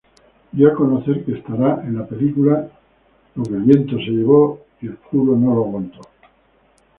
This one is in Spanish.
Dio a conocer que estará en la película Getting That Girl.